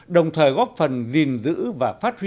đồng thời góp phần gìn giữ và phát huy